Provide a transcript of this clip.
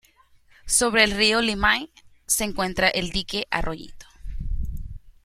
Sobre el Río Limay, se encuentra el Dique Arroyito.